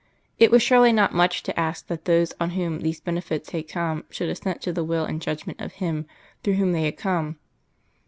It was surely not much to ask that those on whom these benefits had come should assent to the will and judgment of Him through whom they had come.